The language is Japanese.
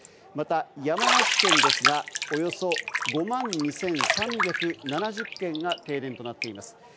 また山梨県はおよそ５万２３７０軒が停電となっています。